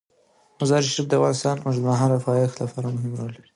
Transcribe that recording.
مزارشریف د افغانستان د اوږدمهاله پایښت لپاره مهم رول لري.